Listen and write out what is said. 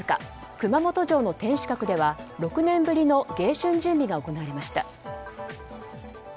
熊本城の天守閣では６年ぶりの迎春準備が行われました。